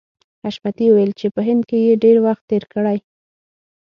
حشمتي وویل چې په هند کې یې ډېر وخت تېر کړی